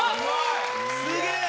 すげえ！